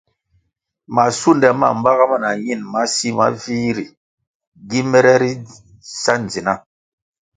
Masunde ma baga ma na ñin masi ma vih ri gi mere ri sa ndzina.